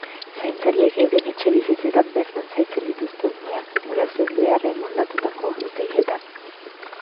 Zaintzaileek euren etxebizitzetan bertan zaintzen dituzte umeak, gurasoen beharrei moldatutako ordutegietan.